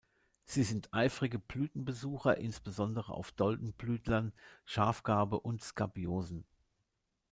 Sie sind eifrige Blütenbesucher, insbesondere auf Doldenblütlern, Schafgarbe und Skabiosen.